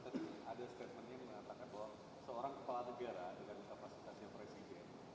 tadi ada statementnya mengatakan bahwa seorang kepala negara dengan kapasitasnya presiden